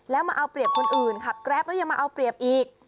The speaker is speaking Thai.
แล้วมาเอาเปรียบคนอื่นขับแกรปแล้วยังมาเอาเปรียบอีก